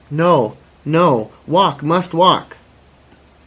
"No. No. Walk. Must walk."